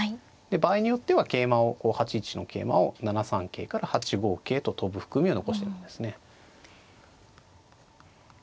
場合によっては桂馬をこう８一の桂馬を７三桂から８五桂と跳ぶ含みを残してるんですね。